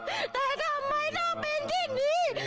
แต่ทำไมต้องเป็นที่นี่